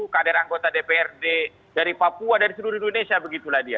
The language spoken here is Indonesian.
kader anggota dprd dari papua dari seluruh indonesia begitulah dia